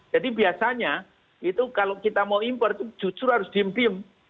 jadi biasanya itu kalau kita mau impor itu justru harus diimpim